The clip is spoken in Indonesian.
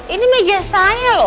ini meja saya loh